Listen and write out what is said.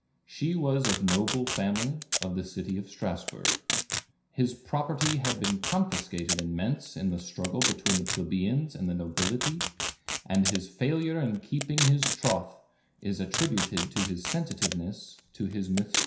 She was of noble family, of the city of Strasbourg. His property had been confiscated in Mentz in the struggle between the plebeians and the nobility, and his failure in keeping his troth is attributed to his sensitiveness to his misfortunes.